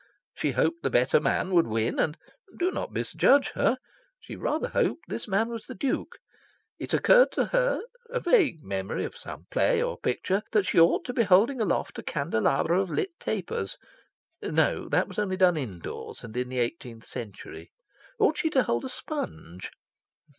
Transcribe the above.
She hoped the better man would win; and (do not misjudge her) she rather hoped this man was the Duke. It occurred to her a vague memory of some play or picture that she ought to be holding aloft a candelabra of lit tapers; no, that was only done indoors, and in the eighteenth century. Ought she to hold a sponge?